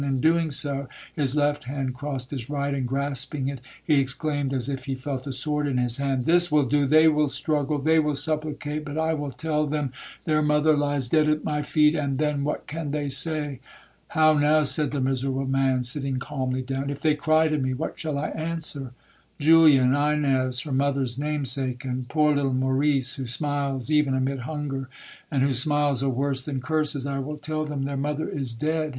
In doing so, his left hand crossed his right, and grasping it, he exclaimed as if he felt a sword in his hand,—'This will do—they will struggle—they will supplicate,—but I will tell them their mother lies dead at my feet, and then what can they say? How now,' said the miserable man, sitting calmly down, 'If they cry to me, what shall I answer? Julia, and Ines her mother's namesake,—and poor little Maurice, who smiles even amid hunger, and whose smiles are worse than curses!—I will tell them their mother is dead!'